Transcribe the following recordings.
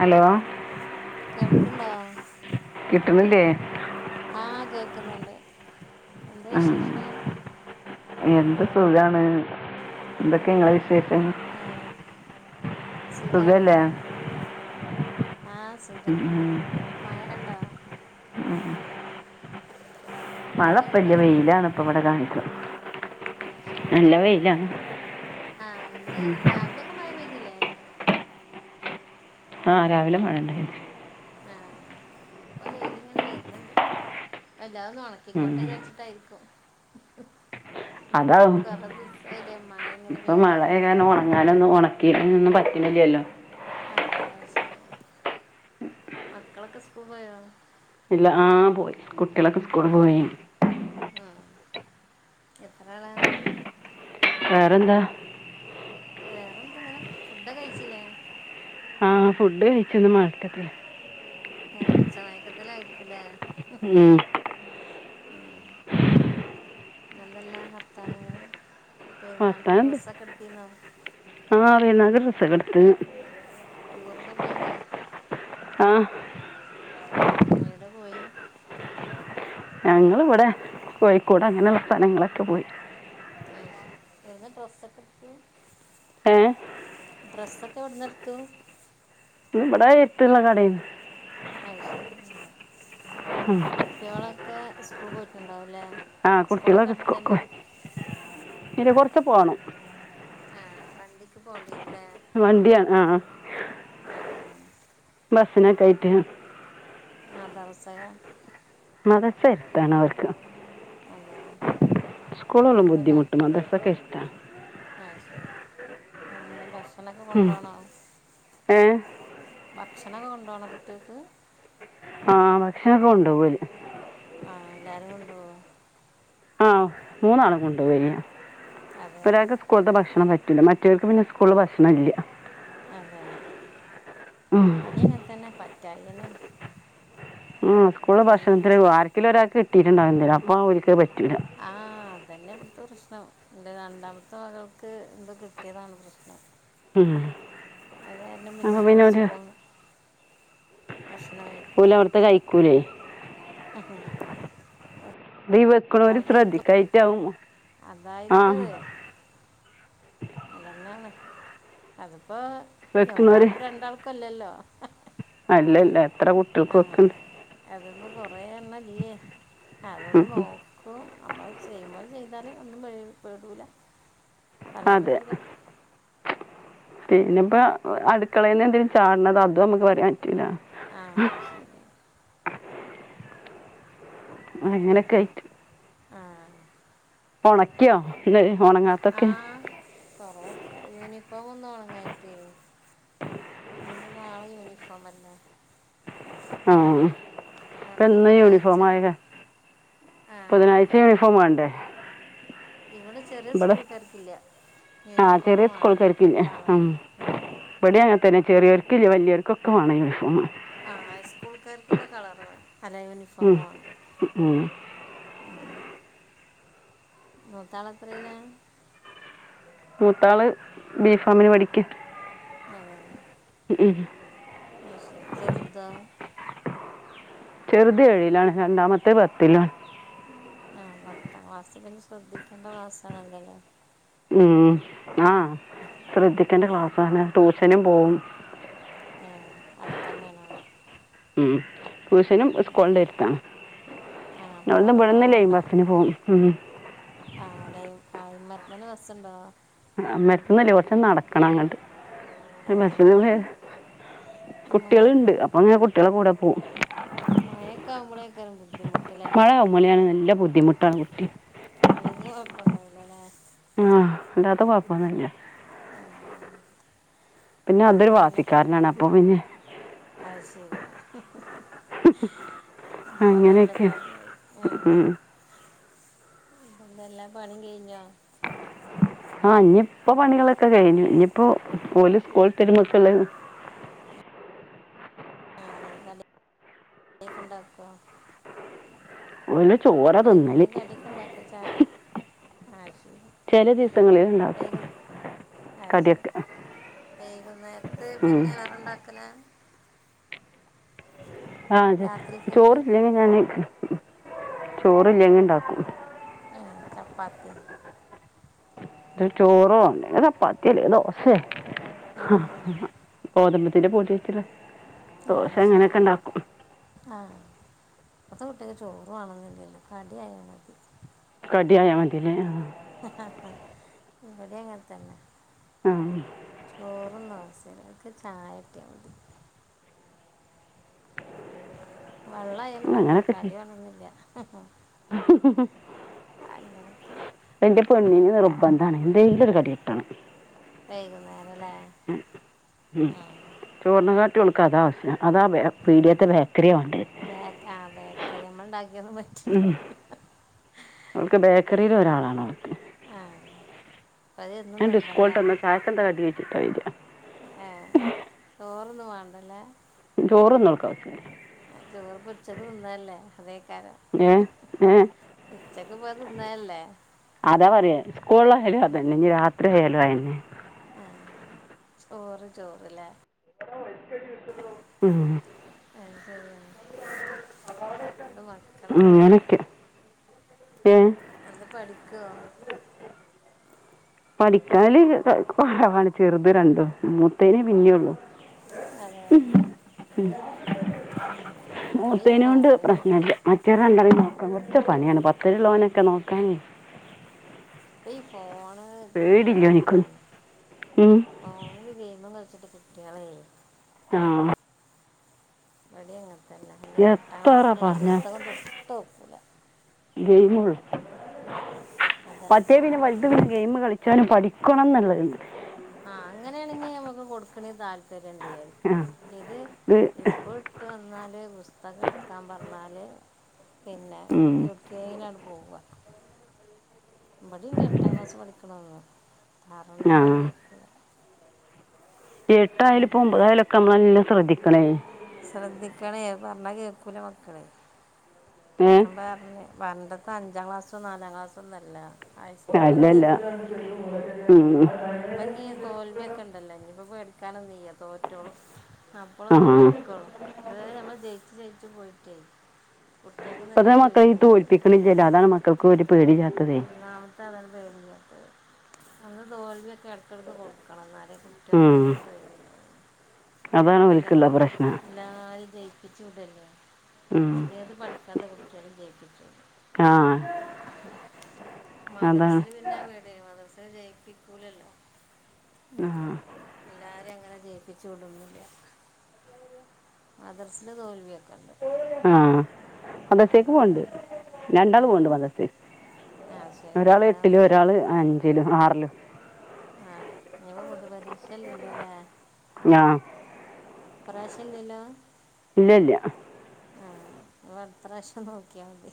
Hello കേൾക്ക്‌ണ്ടോ കിട്ട്ണ്ല്ലേ ആഹ്‌ കേക്കുന്നുണ്ട് ഉ എന്ത് സുഖാണ്. എന്തൊക്കെ ങ്ങളെ വിശേഷം ആഹ്‌ സുഖാണ് സുഖല്ലേ [unintelligible] ആഹ് സുഖാണ് ഉം, ഉം. മയ കണ്ടാ മഴപ്പല്യ വെയിലാണ് ഇപ്പൊ ഇവിടെ കാണിക്കത് ആ ശെ- നല്ല വെയിലാണ് ആഹ്‌ ന്ന് രാവിലൊക്കെ മഴപെയ്തില്ലേ ആഹ്‌ രാവിലെ മഴണ്ടായിനി ആഹ്‌ പ്പൊ വെയില്ങ്ങനെ വെര്ന്ണ്ട് അല്ലാത് ന്ന് ഉം. ഉണക്കിക്കോട്ടെ വിചാരിച്ചിട്ടായിര്ക്കും അതാവും കൊറേ ദിവസായിലേ മഴങ്ങനെ പെയ്യ്ണേ ഞാനൊന്നും ഉണക്കിട്ട്ന്നും പറ്റണില്ലല്ലോ അതെ അയ്ശരി മക്കളൊക്കെ സ്കൂൾ പോയോ ഇല്ല ആഹ്‌ പോയി കുട്ട്യളൊക്കെ സ്കൂൾ പോയി ആഹ് എത്രാളാ വേറെന്താ വേറെ എന്തെ ഇങ്ങനെ ഫുഡ കഴിച്ചില്ലേ ആഹ് ഫുഡ് കഴിച്ചൊന്ന് മാറ്റത്തില ഏഹ് ഉച്ചമയക്കത്തിലായിക്കും അല്ലേ ഉം എന്തെല്ലാ വർത്താനങ്ങള് പെരുന്നാൾക്ക് ഡ്രസ്സൊക്കെ എടുത്തിന്നോ ആഹ് പെരുന്നാക്ക് ഡ്രസ്സൊക്കെ എടുത്തിനി ടൂറൊക്കെ പോയില്ലേ? ആഹ് എവടെ പോയി ഞങ്ങളിവിടെ കോഴിക്കോട് അങ്ങനെയുള്ള സ്ഥലങ്ങളൊക്കെ പോയി അയ് ശരി എവിടുന്നാ ഡ്രസ്സൊക്കെ എടുത്തു? ഏഹ് ഡ്രസ്സൊക്കെ എവിടന്ന് എടുത്തു ഇബടെ [unintelligible] കാടേന്ന് അയ് ശരി അങ്ങനെ ഉം കുട്ട്യേളൊക്കെ സ്കൂൾ പോയിട്ടുണ്ടാവൂല്ലേ ആഹ് കുട്ടികളക്കെ സ്‌കൂൾക്ക് പോയി ഇല്ല കൊറച്ച് പോണം ആഹ് വണ്ടിക്ക് പോണ്ടി വെരൂലേ വണ്ടിയാണ് ആഹ് ആ ബസ്സിനെറ്റായിറ്റ് മദ്രസ്സയാ മദ്രസ്സ അടുത്താണ് ഓൽക്ക് അതെ സ്കൂളോള്ളും ബുദ്ധിമുട്ടും മദർസൊക്കെ അടുത്താണ് അയ് ശരി എന്താ ഭക്ഷണൊക്കെ ഉം. കൊണ്ടോണോ ഏ ഭക്ഷണക്കെ കൊണ്ടോണോ കുട്ടികൾക്ക് ആഹ് ഭക്ഷണൊക്കെ കൊണ്ടോവോ ഓല് ആഹ് എല്ലാരും കൊണ്ടോവോ? ആഹ് മൂന്നാളും കൊണ്ടോവെന്നെയാ അതെ ഇപ്പ ഒരാക്ക് സ്കൂളത്തെ ഭക്ഷണം പറ്റ് പറ്റൂല മറ്റോലിക്ക് പിന്നെ സ്കൂള് ഭക്ഷണല്ല അതെ ഇവടി ഉം. അങ്ങനെ തന്നെ പറ്റായികെന്നെയാണ് സ്കൂള് ഭക്ഷണത്തില് ആരിക്കേലും ഒരാക്ക് കിട്ടീട്ട്ണ്ടാവും എന്തേ അപ്പ ഓലിക്കത് പറ്റൂല ആഹ് അതന്നെ ഇവിടുത്തെ പ്രശ്നം ഇൻ്റെ രണ്ടാമത്തെ മകൾക്ക് എന്തോ കിട്ടിയതാണ് പ്രശ്നം ഉം. അത് കാരണം പിന്നെ അപ്പോൾ ഓള് ഒരു സ്കൂള്ന്ന് ഭക്ഷണം കഴിക്കൂലാ [unintelligible] കയ്ക്കൂല്ലേ [unintelligible] അതീ വെക്കണോര് ഒരാൾക്ക് കിട്ടി ശ്രദ്ധിക്കായിറ്റാവും അതായിരിക്കും ആഹ് അത് അതന്നെയാണ് അതിപ്പോ ഈ വെക്കണവര് ഒരാൾക്കും രണ്ടാൾക്കും അല്ലല്ലോ അല്ല അല്ല എത്ര കുട്ട് ആഹ് അതിപ്പോ കൊറെേ എണ്ണം ഇല്ലേ ഉം, അതൊന്ന് നോ ഉം. അപ്പോ നമ്മള് ചെയ്യുമ്പോലെ ചെയ്താല് ഒന്നും [unintelligible] പെടൂല പറയാൻ പറ്റൂല പിന്നെപ്പ അടുക്കളയിന്ന് എന്തേലും ചാടണതോ അതും നമ്മക്ക് പറയാൻ പറ്റൂല്ല ആഹ് അത് ശരിയാ അങ്ങനൊക്കെ ആയിറ്റ് ആഹ് ഒണക്കിയോ ച്ച് കഴ് ഒണക്ക് ആഹ് കൊറെയൊക്കെ യൂണിഫോമൊന്നും ഒണങ്ങായിറ്റേ ഇനിയിപ്പ നാളെ യൂണിഫോം അല്ലേ ആഹ് അവിടെയൊക്കെ ഇപ്പെന്നേ ബുധനാഴ്ച യൂണിഫോം ആയതാ ആ ബുധനാഴച യൂണിഫോം വേണ്ടേ ഇവിടെ ചെറിയ ഇവിടെ സ്കൂൾക്കാർക്കില്ല ആ യൂണിഫോമ് ചെറിയ വേണ്ട സ്കൂൾക്കാർക്കില്ല കളർ ഉം. ആഹ് ഇവിടെ അങ്ങനെതന്നെ ചെറിയോർക്കില്ലേ വലിയവർക്കൊക്കെ വേണം യൂണിഫോം ആഹ് ഹൈസ്കൂൾക്കാർക്കൊക്കെ കളറുവേണം [unintelligible] ഉം ഉം മൂത്താള് എത്രയിലാ മൂത്താള് ബീ കോമിന് പഠിക്ക ആഹ് ഉം പക്ഷെ ചെറുദാ ചെറുത് ഏഴിലാണ് രണ്ടാമത്തെ പത്തിലാണ് ആഹ് പത്താം ക്ലാസ്സ് പിന്നെ ശ്രദ്ധിക്കേണ്ട ക്ലാസ്സ് ആണല്ലൊ അല്ലേ ഉം ആഹ് ശ്രദ്ധിക്കേണ്ട ക്ലാസാണാ ട്യൂഷനും പോവും ആഹ് അടുത്തന്നെയാണോ ഉം ട്യൂഷനും സ്കൂളിന്റെ അടുത്താണ് ആ അപ്പോൾ അതോണ്ട് കുറേ ഇവിടുന്ന് ലൈൻ ബസ്സിന് പോകും ആഹ് അല്ലെ അന്നേരം തന്നെ ബസുണ്ടോ മരത്തുനില കുറച്ച് നടക്കണം അങ്ങോട്ട് അതെ ബസിന് പോയാ ഈ മഴ കുട്ടികളുണ്ട് അപ്പൊ അങ്ങനെ കുട്ടികളെ കൂടെ പോവും മഴയൊക്കെ ആകുമ്പോഴേക്കാരും ബുദ്ധിമുട്ടില്ലേ മഴ ആവുമ്പോ നല്ല ബുദ്ധിമുട്ടാണ് കുട്ടി അല്ലെങ്കിൽ കൊഴപ്പുണ്ടാവില്ല അല്ലേ ആഹ് അല്ലാതെ കുഴപ്പൊന്നൂല്ല പിന്നെ അതൊരു എന്തല്ലേ. ആ, എന്തല്ല വാശിക്കാരനാണ് അപ്പൊ പിന്നെ അത് ശെരി അപ്പൊ നല്ല അങ്ങനെയൊക്കെ കഥയായി ഉം അതെ എന്തെല്ലാം പണിം കഴിഞ്ഞോ ആഹ് ഇനിയിപ്പോ പണികളൊക്കെ കഴിഞ്ഞു ഇനിയിപ്പോ ഓല് സ്കൂള് വിട്ടുവരുമ്പോ മക്കള് ആഹ് കടി ഒക്കെ ഉണ്ടാക്കുമോ ഒന്നു ചോ വൈകുന്നേരം കടിയൊക്കെ ഉണ്ടാക്കൂവോ ചായ ആ ചില ദിവസങ്ങളിൽ ഉണ്ടാക്കും [unintelligible] കടിയൊക്കെ വൈകുന്നേരത്ത് ഉം. പിന്നെ വേറെണ്ടുക്കലാ ആഹ് രാത്രിക്കൊക്കെ ചോറില്ലെങ്കി ഞാൻ ചോറില്ലെങ്കി ഉണ്ടാക്കും ഏഹ് ചപ്പാത്തി ചോറോ ചപ്പാത്തില്ലേ ദോശയോ ഉം ഉം ഗോതമ്പത്തിന്റെ പൊടീട്ടുള്ള ദോശ അങ്ങനെയൊക്കെ ഇണ്ടാക്കും ആഹ് ഇപ്പത്തെ കുട്ടികോക്ക് ചോറ് വേണോന്നില്ലല്ലോ കടി ആയാലും മതി കടിയായാ മതില്ലേ ആഹ് ഇവടെയും അങ്ങനെതന്നെ ആഹ് ചോറൊന്നും അവസിയങ്ങക്ക് ചായ കിട്ടിയാ മതി വെള്ളം ആയാലും മതി അങ്ങനെയൊക്കെ കടി ചെയ്യും വേണോന്നില്ല അങ്ങനൊക്കെ എന്റെ പെണ്ണിന് നിർബന്ധമാണ് എന്തെങ്കിലൊരു കടി കിട്ടണം വൈകുന്നേരം അല്ലേ ഉം ഉം ആ ചോറിനെ കാട്ടി ഓൾക്ക് അതാ ആവശ്യം അതാ പീടിയത്തെ ബേക്കറിയാ വേണ്ടേ ബേക്ക ആഹ് ബേക്കറി നമ്മൾ ഉണ്ടാക്കിയതും പ ഉം അവൾക്ക് ബേക്കറിൽ ഒരാളാണോ അവക്ക് ആഹ് അപ്പം അത് എന്നും എൻ സ്കൂളിട്ട് നിർബന്ധമാണ് വന്നിട്ട് ചായക്കെന്താ കടി വെച്ചിട്ടാ വരി ഏ ചോറൊന്നും വേണ്ടല്ലേ ചോറുംന്നും നക്കാവശ്യ ചോറ് പൊരിച്ചെക്കെ തിന്നേല്ലേ അതേക്കാരം ഏ ഏ ഉച്ചക്ക് പോയി തിന്നേല്ലെ അതാ പറയാ സ്കൂളിലായാല് അതന്നെ ഇനി രാത്രി ആയാലും അതന്നെ ആ ചോറ് ചോറല്ലേ ഉം അ ശരിയാണ് അത് മക്കളൊക്കേനു അങ്ങനൊക്കെ ഏ എന്ത പഠിക്കോ പഠിക്കണതില് കൊറവാണ് ചെറുത് രണ്ടും മൂത്തേനേ പിന്നേള്ളു അതെ ഉം അത് ശരി അപ്പം ഈ മൂത്തേനെ കൊണ്ട് ഫോണിൽ നോക്കും പ്രശ്നില്ല മറ്റേരണ്ടേരേം നോക്കാൻ കൊറച്ച് പണിയാണ് പത്തിലുള്ളോനൊക്കെ നോക്കാനേ അപ്പ ഈ ഫോണ്കിട്ടിയാ പേടില്ല പിന്നെ എനിക്കൊന്നും ഉം ഫോണിൽ ഗെയിമും കളിച്ചിട്ട് കുട്ട്യാളെ ആഹ് ഇവിടീം അങ്ങനത്തെന്നെ പിന്നെ എട്ടാം എത്ര ക്ലാസ്സിലുള്ള പറഞ്ഞ പുസ്തകം തൊട്ട് നോക്കൂല ഗെയിമോള്ളു അതെ മറ്റേ പിന്നെ പടി ക്കും ഗെയിം കളിച്ചാലും പഠിക്കണം എന്നുള്ളത്ണ്ട് ആഹ അങ്ങനെയാണെങ്കിൽ നമുക്ക് കൊടുക്കണേന് താല്പര്യം ഇണ്ടായിരിക്കാം ആ ഇത് സ്കൂൾ ഇട്ട് വന്നാല് പുസ്തകം എടുക്കാൻ പറഞ്ഞാല് പിന്നെ ഉം ട്രെയിനാണ് പോവ ഇബടീണ്ട് എട്ടാം ക്ലാസ്സ് പഠിക്കണഒന്ന് ആ അറില്ലാന്നാണ് കേൾക്കുന്നത് എട്ടായാല് ഇപ്പൊ ഒൻമ്പതായാലുക്ക മ്മളന്ന ശ്രദ്ധിക്കണേ ശ്രദ്ധിക്കണേ പറഞ്ഞാ കേൾക്കൂല മക്കള് ഏ ഞൻ പറഞ്ഞ് പണ്ടത്തഅഞ്ചാം ക്ലാസ്സും നാലാം ക്ലാസ്സൊന്നല്ല ഹൈ അല്ലല്ല സ്കൂളെത്തീക്ക്ണ് ഉം ഇപ്പ ഇന്നി തോൽവിയൊക്കെ ഇണ്ടല്ലോ ഇന്നി ഇപ്പ പേടിക്കാനൊന്നില്ല തോറ്റോളും ആ അപ്പൊളൊന്ന് പഠിക്കോളൂ ഇതുവരെ ഞങ്ങൾ ജയിച്ച ജയിച്ചു പോയിട്ടെ ഇപ്പത്തെ മക്കള ഈ തോൽപ്പിക്കണില്ലല്ല അതാണ് മക്കൾക്ക് ഒരു പേടില്ലാത്തതെ ഒന്നാമത്തെ അതാണ് പേടിയില്ലാത്തത് അ തോൽവിയൊക്കെ ഇടയ്ക്കിടക്ക് കൊടുക്കണം എന്നാലെ ഉം ആർക്കുംന്നരു പേടിയില്ല അതാണ് എല്ലാ ഓൽക്കുള്ള പ്രശ്നം ല്ലാരേം ജയിപ്പിച്ചിടേല്ലേ ഉം ഏത് പഠി ക്കാത്ത കുട്ടികളേം ജയിപ്പിച്ചുവിടും ആ അതാണ് മദ്രസെല് പിന്നെ വീടെ മദ്രസെ ജയിപ്പിക്കൂലല്ലോ ആഹ് എല്ലാരേം അങ്ങനെ ജയിപ്പിച്ചു വിടൂ ന്നില്ല മദ്രസെയില് തോൽവിയൊക്കെ ണ്ട് ആഹ് മദ്രസെക്ക് പോണ്ട് പിന്നെ ആ രണ്ടാള് പോണ്ട് മദ്രസെക്ക് ആവശ്യം ഒരാള് എട്ടില് പ്രായത്തിൽ ഒരാള് അഞ്ചിലും ആറിലും ആഹ് ന്നിപ്പൊ പൊതുപരീക്ഷ ഇല്ല്യ ല്ലേ ആഹ് ഇ പ്രാവശ്യം ഇല്ല്യ ല്ലൊ ഇല്ല്യ ഇല്ല്യ ആ അപ്പൊ അടുത്രാവശ്യം നോക്കിയാൽ മതി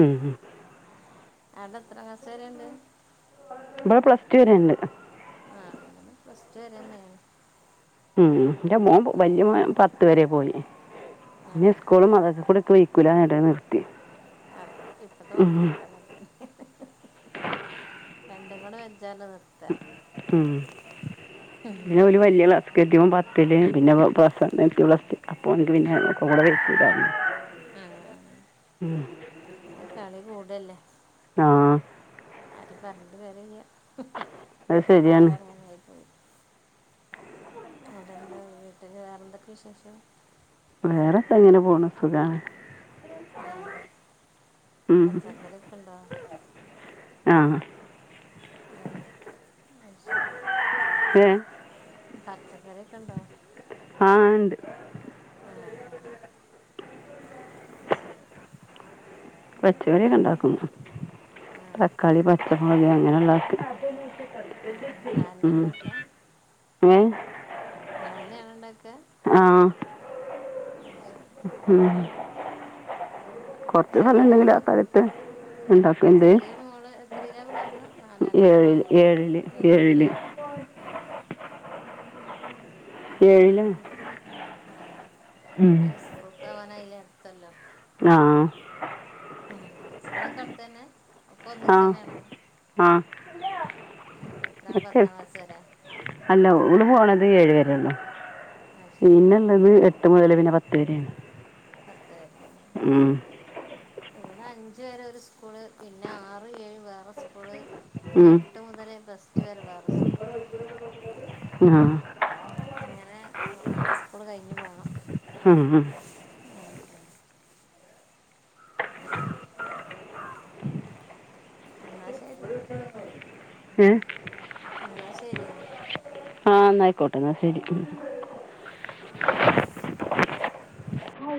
ഉം ഉ അവിടെ എത്രാം ക്ലാസ്സോരെ ഉണ്ട് ഇവിടെ പ്ലസ് ടു വരെെയുണ്ട് ആഹ് എന്നെ പ്ലസ്റ്റ് വരെ തന്നെയാണ് ഉം എന്റെ മോൻ ഓ വലിയ മോ പത്ത് വരെ പോയി ആ പി സ്കൂള മതസ കൂടി ഒ വക്കൂലട്ട നിർത്തി അതെ ഇപ്പത്തെ ഉം. മക്കൾക്കെ അങ്ങനെ തന്നെ രണ്ട് കൂണ വച്ചാല ഉം ഒരു വലിയ [unintelligible] ആഹ് കളി കൂടല്ലേ ആഹ് ആരും പറഞ്ഞിട്ട് കാര്യം ഇല്ല അത് ഇപ്പത്തെ ശരിയാണ് കാലം അങ്ങനെയായി പോയി അവിടെന്താ വീട്ടില് വേറെന്തൊക്കെ വിശേഷം വേറെത്ര ഇങ്ങനെ പോണു സുഖണ് ആഹ് പച്ചകറിയൊക്കെ ഉണ്ടോ ആഹ് ആ അത് ഏഹ് പച്ചക്കറിക്കെ ഉണ്ടോ ആഹ് ഉണ്ട് ആ ഓക്കെ പച്ചമറിയൊക്കെ ഉണ്ടാക്കുന്നു ആ തക്കാളി പച്ചമുളകി അങ്ങനെ ഉള്ളക്ക് ആ നിങ്ങൾ തന്നെ ഉം ഉണ്ടാക്കുക ഏഹ് നിങ്ങ തന്നെയണ ഉണ്ടൊക്കെ ആഹ് ശരി ഉം ചെറിയ ഇപലണ്ടെങ്കിൽ മോള് ആഹ് തരത്ത് ഉണ്ടാക്കുംണ്ട് മോൾ എത്രയില പറഞ്ഞെ നാലല്ല ഏഴിൽ നാല ഏഴിൽ ഏഹ് ഏഴിൽ ആഹ് ശരി ഏഴില ഹൈസ്കൂൾക്ക്കാന അയിലെ അടുത്ത കോല്ലം ആഹ് ഉം ഇപ്പളൊക്കെ അടുത്ത് തന്നെ ഒക്ക ഒന്നിച്ചു തന്നെയാണ് ആഹ് ആഹ് എത്ര പത്താം ക്ലാസ് വരാ അല്ല ഒള് പോണത് ഏഴ് വരെള്ളൂ ആ ശരി പിന്നെ എട്ട് മുതൽ പിന്നെ പത്ത് വേരാണ് പത്ത് വരെയാണ് ഉം ഓള് അഞ്ച് വരെ ഒരു സ്കൂള് പിന്നെ ആറ്, ഏഴ് വേറെ സ്കൂള് പിന്നെ എ് ട്ട് മുതല് പ്ലസ് റ്റു വരെ വാറെ സ്ക്കുള് ആഹ് അങ്ങനെ മൂന്നാല് സ്കൂൾ കഴിഞ്ഞ് പോണം. ഉം ഉം ഉം ആഹ് എന്നാ ശരിന്നാ ഏഹ് എന്നാ ശരി ആഹ് എന്നായിക്കോട്ടെ എന്നാ ശരി